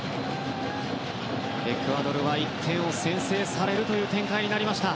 エクアドルは１点を先制されるという展開になりました。